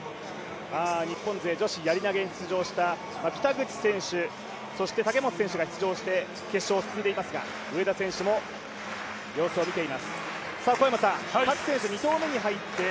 日本勢女子やり投に出場した北口選手、そして武本選手が出場して決勝に進んでいますが、上田選手も様子を見ています。